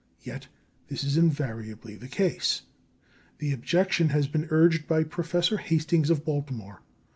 Yet this is invariably the case. The objection has been urged by Professor Hastings of Baltimore.